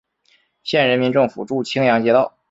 县人民政府驻青阳街道。